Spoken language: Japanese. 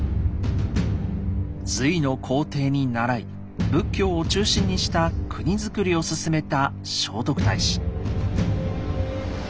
隋の皇帝に倣い仏教を中心にした国づくりを進めた聖徳太子。